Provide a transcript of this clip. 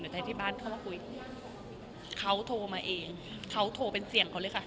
ใจที่บ้านเข้ามาคุยเขาโทรมาเองเขาโทรเป็นเสียงเขาเลยค่ะ